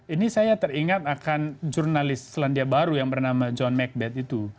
ini saya teringat akan jurnalis selandia baru yang bernama john mcbeth itu